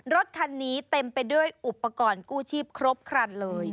รถคันนี้เต็มไปด้วยอุปกรณ์กู้ชีพครบครันเลย